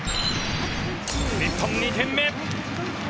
日本、２点目！